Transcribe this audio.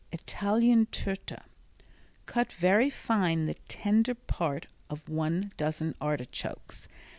Italian Turta Cut very fine the tender part of one dozen artichokes.